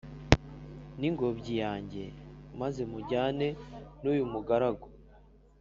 ningobyi yanjye maze mujyane nuyumugaragu